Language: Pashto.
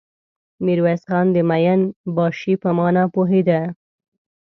ميرويس خان د مين باشي په مانا پوهېده.